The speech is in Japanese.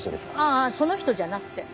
あその人じゃなくて。